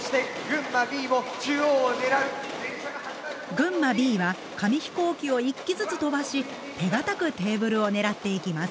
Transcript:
群馬Ｂは紙飛行機を１機ずつ飛ばし手堅くテーブルを狙っていきます。